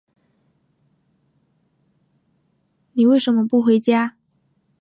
你为什么不回家？